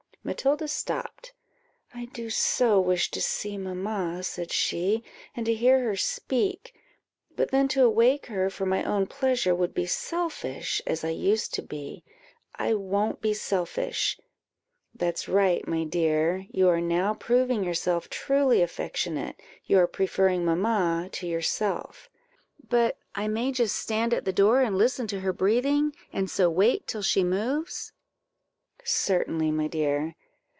Matilda stopped "I do so wish to see mamma," said she, "and to hear her speak! but then to awake her for my own pleasure would be selfish, as I used to be I won't be selfish." "That's right, my dear you are now proving yourself truly affectionate you are preferring mamma to yourself." "But I may just stand at the door and listen to her breathing, and so wait till she moves." "Certainly, my dear."